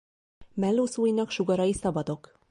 Mellúszóinak sugarai szabadok.